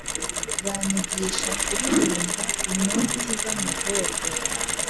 Banyigisha kuririmba inoti z'amagorwa.